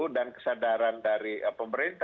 dan kesadaran dari pemerintah